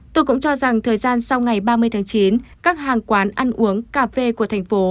tôi cũng cho rằng thời gian sau ngày ba mươi tháng chín các hàng quán ăn uống cà phê của thành phố